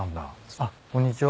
あっこんにちは。